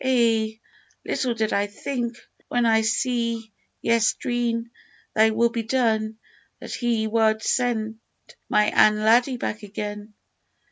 "Ay, little did I think when I said yestreen, `Thy wull be done,' that He wad send my ain laddie back again!"